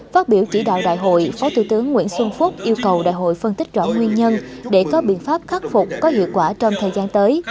phát biểu chỉ đạo đại hội phó thủ tướng nguyễn xuân phúc yêu cầu đại hội phân tích rõ nguyên nhân để có biện pháp khắc phục có hiệu quả trong thời gian tới